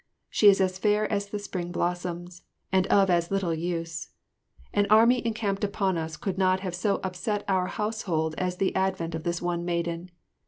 She is as fair as the spring blossoms, and of as little use. An army encamped upon us could not have so upset our household as the advent of this one maiden.